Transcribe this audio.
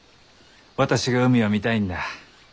私が海を見たいんだ。